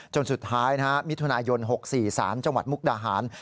จนสุดท้ายมิถุนายน๖๔สารจังหวัดมุกดาหาร